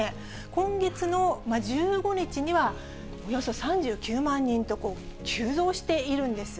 今月の１５日には、およそ３９万人と急増しているんです。